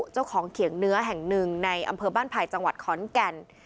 เขียงเนื้อแห่งหนึ่งในอำเภอบ้านไผ่จังหวัดขอนแก่น